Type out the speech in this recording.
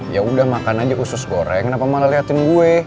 ya udah makan aja usus goreng kenapa malah liatin gue